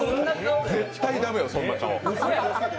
絶対駄目よ、そんな顔。